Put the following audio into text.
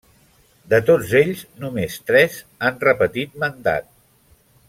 De tots ells només tres han repetit mandat.